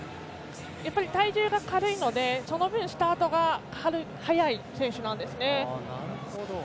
体重が軽いのでその分、スタートが速い選手なんですね。